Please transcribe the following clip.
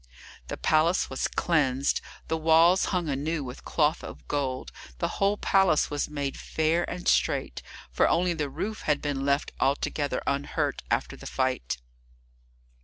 The palace was cleansed, the walls hung anew with cloth of gold, the whole place was made fair and straight, for only the roof had been left altogether unhurt after the fight.